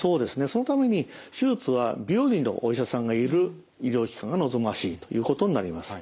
そのために手術は病理のお医者さんがいる医療機関が望ましいということになります。